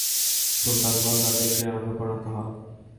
সুলতানগণ তাদের ক্রীড়ানকে পরিণত হন।